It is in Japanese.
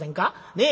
ねえ。